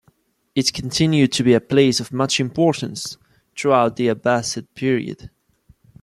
It continued to be a place of much importance throughout the Abbasid period.